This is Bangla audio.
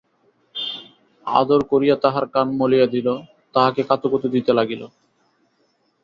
আদর করিয়া তাহার কান মলিয়া দিল, তাহাকে কাতুকুতু দিতে লাগিল।